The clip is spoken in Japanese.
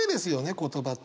言葉って。